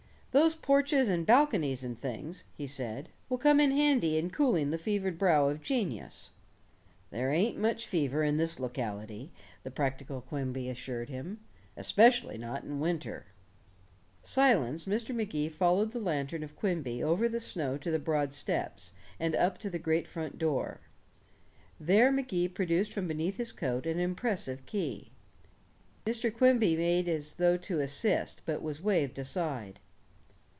"Those porches and balconies and things," he said, "will come in handy in cooling the fevered brow of genius." "There ain't much fever in this locality," the practical Quimby assured him, "especially not in winter." Silenced, Mr. Magee followed the lantern of Quimby over the snow to the broad steps, and up to the great front door. There Magee produced from beneath his coat an impressive key. Mr. Quimby made as though to assist, but was waved aside.